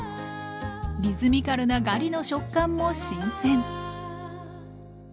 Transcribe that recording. リズミカルなガリの食感も新鮮